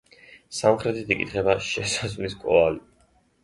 სამხრეთით იკითხება შესასვლელის კვალი.